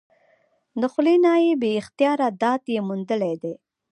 د خلي نه بې اختياره داد ئې موندلے دے ۔